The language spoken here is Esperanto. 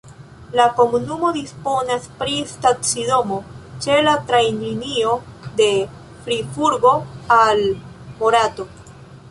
La komunumo disponas pri stacidomo ĉe la trajnlinio de Friburgo al Morato.